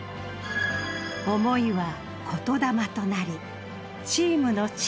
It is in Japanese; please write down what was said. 思いは言霊となりチームの力に。